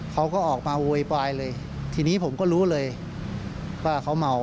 เขาก็ออกมาโวยวายเลยทีนี้ผมก็รู้เลยว่าเขาเมา